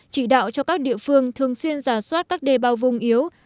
chỉ đạo cho các địa phương thường xuyên giả soát các đề bao vùng yếu